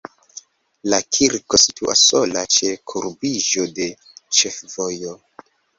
La kirko situas sola ĉe kurbiĝo de ĉefvojo.